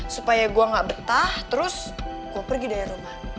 supaya gue gak betah terus gue pergi dari rumah